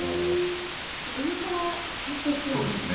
上から貼っていくんですね。